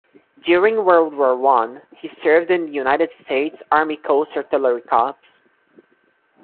During World War One, he served in the United States Army Coast Artillery Corps.